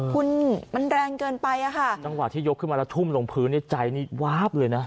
คุณมันแรงเกินไปจังหวะที่ยกขึ้นมาทุ่มลงผืนใจว๊าบเลยนะ